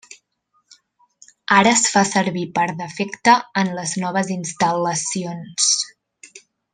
Ara es fa servir per defecte en les noves instal·lacions.